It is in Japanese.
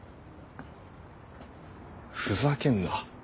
ふざけんな。